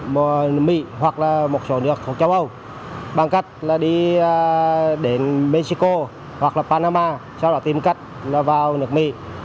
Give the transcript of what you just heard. vào nước mỹ hoặc là một số nước trong âu bằng cách là đi đến mexico hoặc là panama sau đó tìm cách là vào nước mỹ